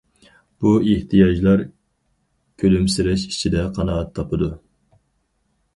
بۇ ئېھتىياجلار كۈلۈمسىرەش ئىچىدە قانائەت تاپىدۇ.